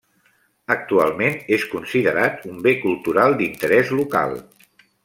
Actualment, és considerat un bé cultural d'interès local.